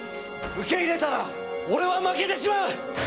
受け入れたら俺は負けてしまう！